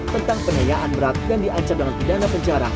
tentang penyayaan berat yang diancam dengan pidana penjara